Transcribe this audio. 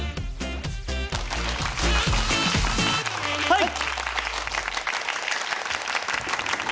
はい！